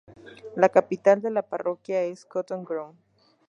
La capital de la parroquia es Cotton Ground.